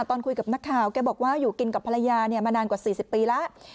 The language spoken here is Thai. ตอนคุยกับนักข่าวแกบอกว่าอยู่กินกับภรรยามานานกว่า๔๐ปีแล้ว